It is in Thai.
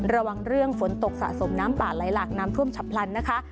ระวังเรื่องฝนตกสะสมน้ำป่าไหลหลากน้ำท่วมฉับพลันนะคะ